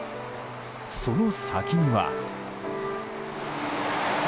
その先には。